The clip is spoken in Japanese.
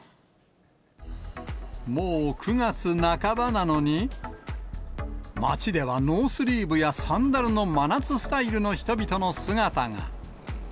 もう９月半ばなのに、街ではノースリーブやサンダルの真夏スタイルの人々の姿が。